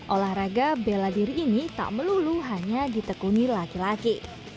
olahraga bela diri ini tak melulu hanya ditekuni laki laki